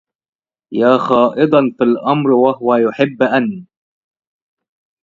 يا خائضا في الأمر وهو يحب أن